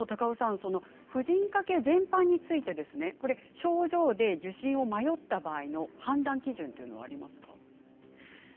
婦人科系全般について症状で受診を迷った場合の判断基準はありますか？